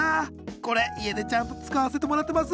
これ家でちゃんと使わせてもらってます。